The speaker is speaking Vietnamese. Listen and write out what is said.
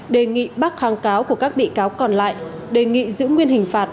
đề nghị bác kháng cáo của các bị cáo còn lại đề nghị giữ nguyên hình phạt